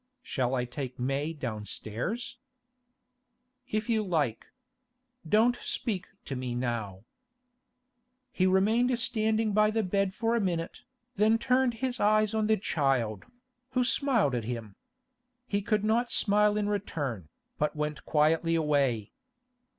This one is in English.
'Shall I take May downstairs?' 'If you like. Don't speak to me now.' He remained standing by the bed for a minute, then turned his eyes on the child, who smiled at him. He could not smile in return, but went quietly away.